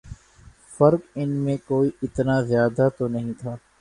فرق ان میں کوئی اتنا زیادہ تو نہیں تھا